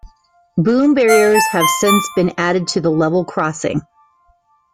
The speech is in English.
Boom barriers have since been added to the level crossing.